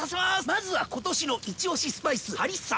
まずは今年のイチオシスパイスハリッサ！